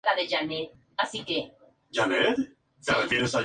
Todavía en el escudo están el mar y el faro de Recife.